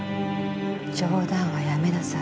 冗談はやめなさい。